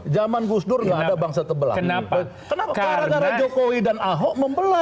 jangan kaya gara gara jokowi dan ahok membelah